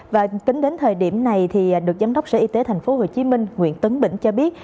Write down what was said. và kính đến thời điểm này được giám đốc sở y tế tp hcm nguyễn tấn bỉnh cho biết